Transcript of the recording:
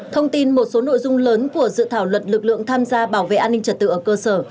thông tin một số nội dung lớn của dự thảo luật lực lượng tham gia bảo vệ an ninh trật tự ở cơ sở